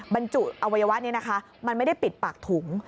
บรรจุอวัยวะนี้นะคะมันไม่ได้ปิดปากถุง